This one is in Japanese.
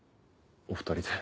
お２人で。